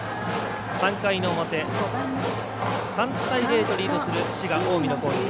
３回の表、３対０とリードする滋賀、近江の攻撃。